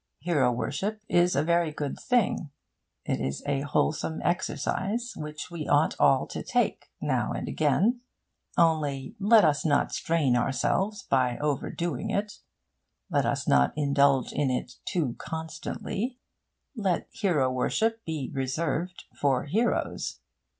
hero worship is a very good thing. It is a wholesome exercise which we ought all to take, now and again. Only, let us not strain ourselves by overdoing it. Let us not indulge in it too constantly. Let hero worship be reserved for heroes.